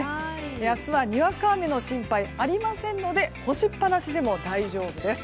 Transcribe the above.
明日はにわか雨の心配はありませんので干しっぱなしでも大丈夫です。